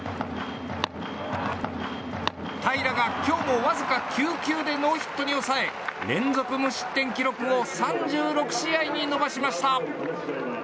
平良が、今日もわずか９球でノーヒットに抑え連続無失点記録を３６試合に伸ばしました。